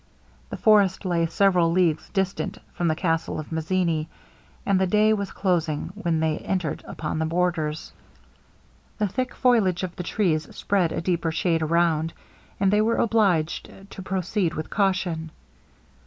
The forest lay several leagues distant from the castle of Mazzini, and the day was closing when they entered upon the borders. The thick foliage of the trees spread a deeper shade around; and they were obliged to proceed with caution.